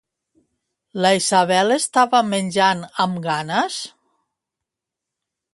La Isabel estava menjant amb ganes?